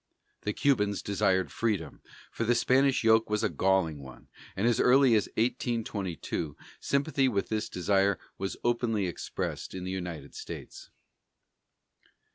The Cubans desired freedom, for the Spanish yoke was a galling one, and as early as 1822 sympathy with this desire was openly expressed in the United States.